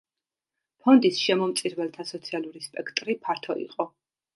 ფონდის შემომწირველთა სოციალური სპექტრი ფართო იყო.